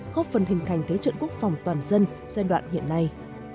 góp phần hình thành thế trận quốc phòng toàn dân giai đoạn hiện nay